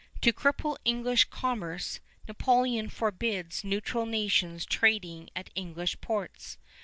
To cripple English commerce, Napoleon forbids neutral nations trading at English ports.